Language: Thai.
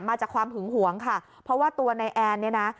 มาจากความหึงหวงค่ะเพราะว่าตัวนายแอนเนี่ยนะ